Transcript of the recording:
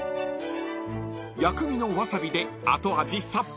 ［薬味のワサビで後味さっぱり］